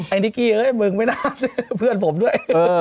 ไอ้นิกกี้มึงไม่น่าเพื่อนผมด้วย